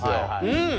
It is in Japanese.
うん。